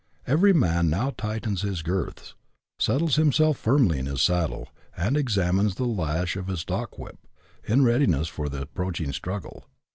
Every man now tightens his girths, settles himself firmly in his saddle, and examines the lash of his stockwhip, in readiness for the approaching struggle.